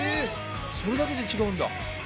それだけで違うんだ。